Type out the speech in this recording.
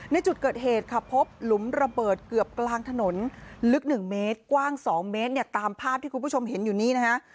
ในจุดเกิดเหตุค่ะพบหลุมระเบิดเกือบกลางถนนลึก๑เมตรกว้าง๒เมตรเนี่ยตามภาพที่คุณผู้ชมเห็นอยู่นี้นะฮะ